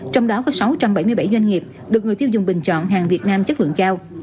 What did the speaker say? trong đó có sáu trăm bảy mươi bảy doanh nghiệp được người tiêu dùng bình chọn hàng việt nam chất lượng cao